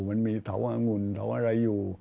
มันมีเถางุ่นเถาอะไรอยู่